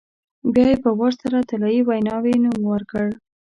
بیا یې په وار سره طلایي ویناوی نوم ورکړ.